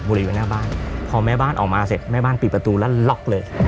อยู่หน้าบ้านพอแม่บ้านออกมาเสร็จแม่บ้านปิดประตูแล้วล็อกเลย